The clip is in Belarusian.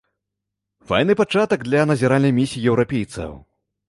Файны пачатак для назіральнай місіі еўрапейцаў.